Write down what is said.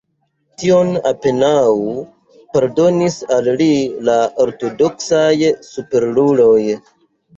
Tion apenaŭ pardonis al li la ortodoksaj superuloj.